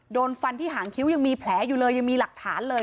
โดนฟันที่หางคิ้วยังมีแผลอยู่เลยยังมีหลักฐานเลย